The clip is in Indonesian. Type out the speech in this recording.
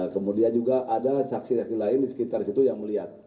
kemudian juga ada saksi saksi lain di sekitar situ yang melihat